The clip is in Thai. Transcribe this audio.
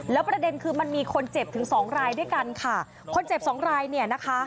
แล้วประเด็นคือมันมีคนเจ็บถึงสองรายด้วยกันค่ะคนเจ็บสองรายเนี่ยนะคะ